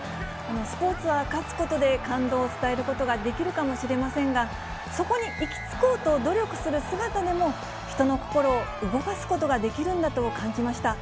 スポーツは勝つことで感動を伝えることができるかもしれませんが、そこに行きつこうと努力する姿でも、人の心を動かすことができるんだと感じました。